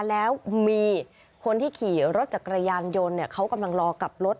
แล้วมีคนที่ขี่รถจักรยานยนต์เขากำลังรอกลับรถ